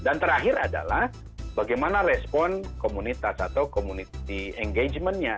dan terakhir adalah bagaimana respon komunitas atau community engagement nya